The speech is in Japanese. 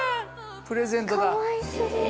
プレゼントだ。